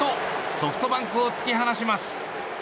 ソフトバンクを突き放します。